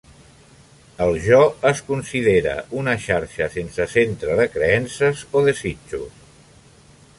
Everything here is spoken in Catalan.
El jo es considera una "xarxa sense centre de creences o desitjos".